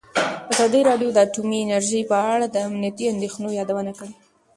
ازادي راډیو د اټومي انرژي په اړه د امنیتي اندېښنو یادونه کړې.